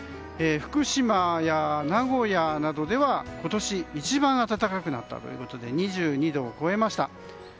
福島や名古屋などでは今年一番暖かくなったということで２２度を超えました。